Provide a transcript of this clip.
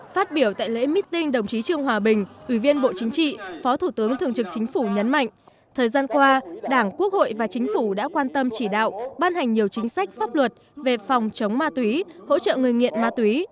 phát biểu tại lễ meeting đồng chí trương hòa bình ủy viên bộ chính trị phó thủ tướng thường trực chính phủ nhấn mạnh thời gian qua đảng quốc hội và chính phủ đã quan tâm chỉ đạo ban hành nhiều chính sách pháp luật về phòng chống ma túy hỗ trợ người nghiện ma túy